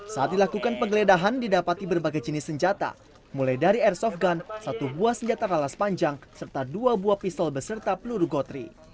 saat dilakukan penggeledahan didapati berbagai jenis senjata mulai dari airsoft gun satu buah senjata ralas panjang serta dua buah pisau beserta peluru gotri